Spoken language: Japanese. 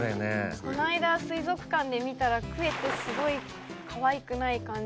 この間水族館で見たらクエってすごいかわいくない感じで。